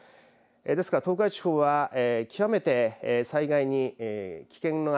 ですから、東海地方は極めて災害に危険が。